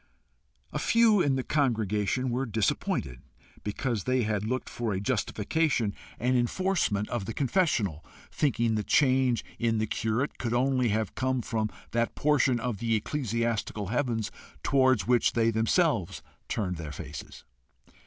A few in the congregation were disappointed because they had looked for a justification and enforcement of the confessional, thinking the change in the curate could only have come from that portion of the ecclesiastical heavens towards which they themselves turned their faces.